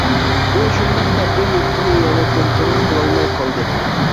ئۇ شۇنداق دەپلا يۈرىكىنى يەنە كونترول قىلالماي قالدى.